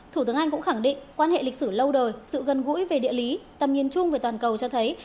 thủ tướng anh cũng khẳng định quan hệ lịch sử lâu đời sự gần gũi về địa lý tầm nhìn chung về toàn cầu cho thấy